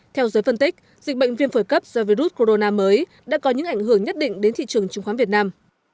theo giới phân tích dịch bệnh viêm phổi cấp do virus corona mới đã có những ảnh hưởng nhất định đến thị trường chứng khoán việt nam